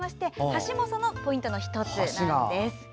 橋もそのポイントの１つなんです。